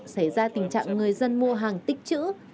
xảy ra tình trạng người dân mua hàng tích chữ